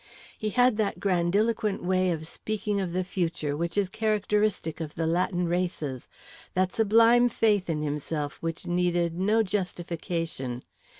He had that grandiloquent way of speaking of the future which is characteristic of the Latin races that sublime faith in himself which needed no justification.